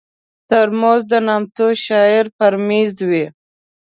ترموز د نامتو شاعر پر مېز وي.